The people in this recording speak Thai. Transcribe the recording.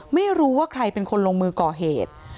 ไม่รู้ว่าใครเป็นคนลงมือก่อเหตุ